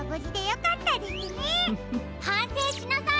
はんせいしなさい！